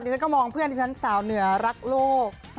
ฉันก็มองเพื่อนที่ฉันสาวเหนือรักโลก